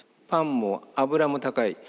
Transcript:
パンも油も高い。